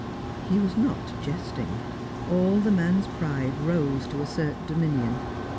He was not jesting. All the man's pride rose to assert dominion.